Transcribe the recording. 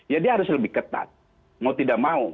ya dia harus lebih ketat mau tidak mau